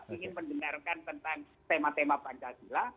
ingin mendengarkan tentang tema tema pancasila